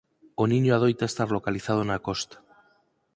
O niño adoita estar localizado na costa.